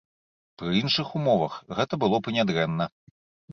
Пры іншых умовах гэта было б і нядрэнна.